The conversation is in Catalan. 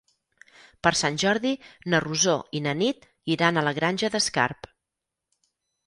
Per Sant Jordi na Rosó i na Nit iran a la Granja d'Escarp.